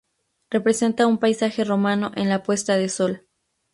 Representa un paisaje romano en la puesta de sol.